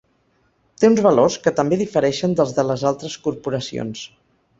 Té uns valors que també difereixen dels de les altres corporacions.